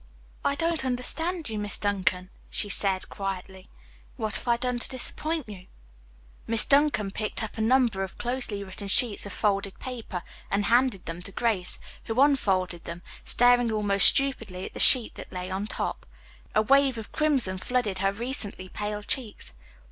"I don't understand you, Miss Duncan," she said quietly. "What have I done to disappoint you?" Miss Duncan picked up a number of closely written sheets of folded paper and handed them to Grace, who unfolded them, staring almost stupidly at the sheet that lay on top. A wave of crimson flooded her recently pale cheeks.